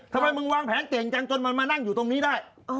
ทำไมมึงวางแผนเก่งจังจนมันมานั่งอยู่ตรงนี้ได้